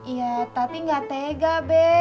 iya tapi nggak tega be